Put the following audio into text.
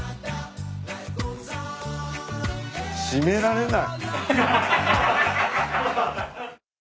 締められない。